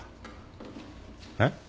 えっ？